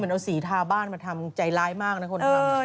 เอาสีทาบ้านมาทำใจร้ายมากนะคนทำ